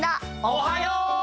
おはよう！